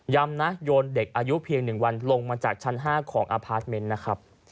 นะโยนเด็กอายุเพียง๑วันลงมาจากชั้น๕ของอพาร์ทเมนต์นะครับ